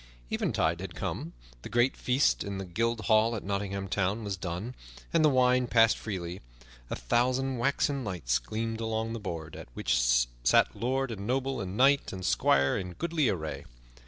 Eventide had come; the great feast in the Guild Hall at Nottingham Town was done, and the wine passed freely. A thousand waxen lights gleamed along the board, at which sat lord and noble and knight and squire in goodly array.